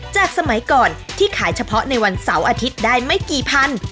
สมัยก่อนที่ขายเฉพาะในวันเสาร์อาทิตย์ได้ไม่กี่พัน